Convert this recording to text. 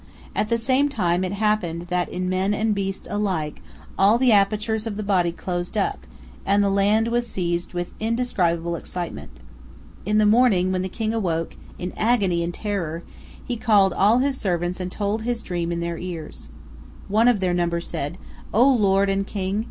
At the same time it happened that in men and beasts alike all the apertures of the body closed up, and the land was seized with indescribable excitement. In the morning, when the king awoke, in agony and terror, he called all his servants and told his dream in their ears. One of their number said: "O lord and king!